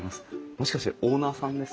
もしかしてオーナーさんですか？